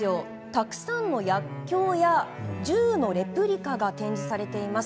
たくさんの薬きょうや銃のレプリカが展示されています。